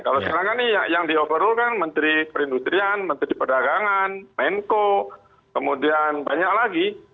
kalau sekarang kan yang di overlow kan menteri perindustrian menteri perdagangan menko kemudian banyak lagi